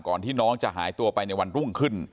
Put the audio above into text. ที่น้องจะหายตัวไปในวันรุ่งขึ้น